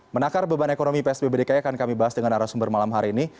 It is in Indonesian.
menakar beban ekonomi psbb dki akan kami bahas dengan arah sumber malam hari ini